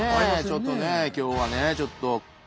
ちょっとね今日はねちょっと。